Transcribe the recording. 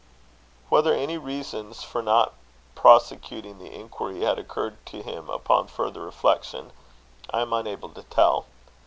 Whether any reasons for not prosecuting the inquiry had occurred to him upon further reflection, I am unable to tell.